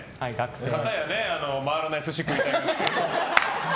片や回らない寿司を食べたいと。